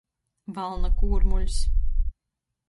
Valna kūrmuļs.